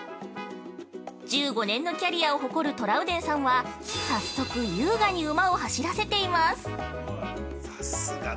１５年のキャリアを誇るトラウデンさんは早速、優雅に馬を走らせています。